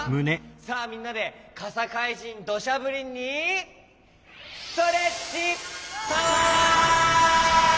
さあみんなでかさかいじんドシャブリンにストレッチパワー！